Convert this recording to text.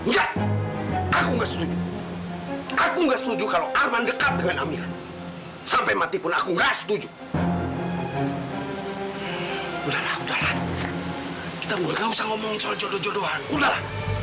ya lu buka aku mengambil hartanya prabu wijaya